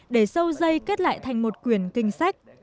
để sâu dây kết lại thành một quyển kinh sách